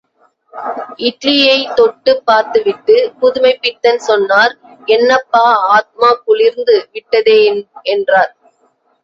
இட்லியைத் தொட்டுப் பார்த்துவிட்டுப் புதுமைப்பித்தன் சொன்னார் என்னப்பா ஆத்மா குளிர்ந்து விட்டதே என்றார்.